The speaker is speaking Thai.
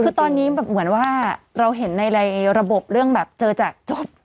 คือตอนนี้แบบเหมือนว่าเราเห็นในระบบเรื่องแบบเจอจากจบ